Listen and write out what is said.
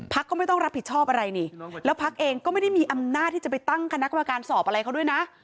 ก็ไม่ต้องรับผิดชอบอะไรนี่แล้วพักเองก็ไม่ได้มีอำนาจที่จะไปตั้งคณะกรรมการสอบอะไรเขาด้วยนะ